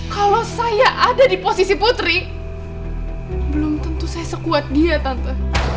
kalau saya ada di posisi putri belum tentu saya sekuat dia tante